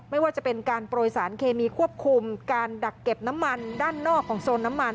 ไม่ว่าจะเป็นการโปรยสารเคมีควบคุมการดักเก็บน้ำมันด้านนอกของโซนน้ำมัน